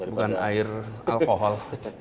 bukan air alkohol